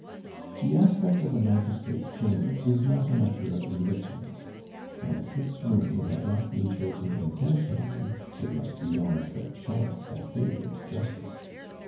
The aspect of a magistrate's chambers is not a matter of indifference; and if this room had not been chosen intentionally, it must be owned that chance had favored justice.